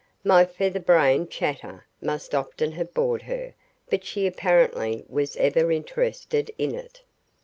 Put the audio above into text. My feather brained chatter must often have bored her, but she apparently was ever interested in it.